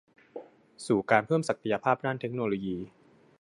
สู่การเพิ่มศักยภาพด้านเทคโนโลยี